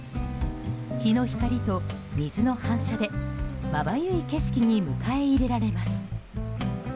日の光と水の反射でまばゆい景色に迎え入れられます。